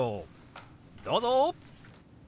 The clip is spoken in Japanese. どうぞ！